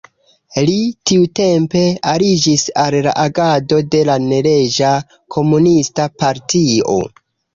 Li tiutempe aliĝis al la agado de la neleĝa komunista partio.